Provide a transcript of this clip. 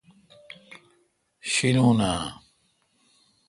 شیلون اں۔